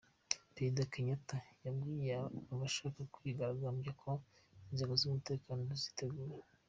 Perezida Kenyatta yabwiye abashaka kwigaragambya ko inzego z’umutekano ziteguye.